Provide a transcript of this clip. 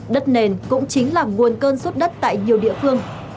đất nền cũng chính là nguồn cơn suốt đất tại nhiều địa phương